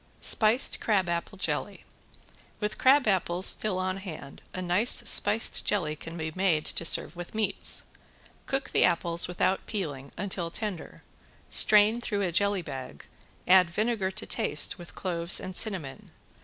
~SPICED CRABAPPLE JELLY~ With crabapples still on hand a nice spiced jelly can be made to serve with meats. Cook the apples without peeling until tender. Strain through a jelly bag, add vinegar to taste with cloves and cinnamon.